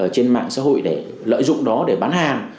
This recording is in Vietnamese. trên mạng xã hội để lợi dụng đó để bán hàng